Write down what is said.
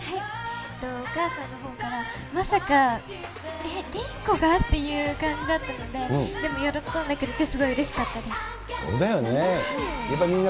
お母さんのほうが、まさかリンコが？っていう感じだったので、でも喜んでくれて、すごいうれしそうだよね。